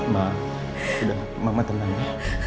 mama udah mama tenang ya